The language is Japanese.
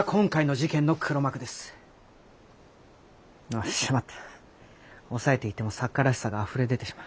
あっしまった抑えていても作家らしさがあふれ出てしまう。